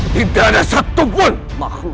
tidak ada satupun makhluk